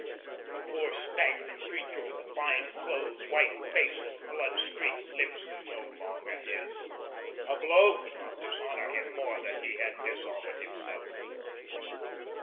The poor, staggering creature with the fine clothes, white face, and blood streaked lips was no longer his. A blow could not dishonour him more than he had dishonoured himself.